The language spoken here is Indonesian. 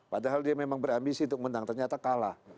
padahal dia memang berambisi untuk menang ternyata kalah